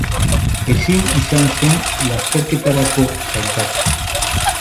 Ezin izan zen lasterketarako sailkatu.